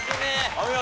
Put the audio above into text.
お見事。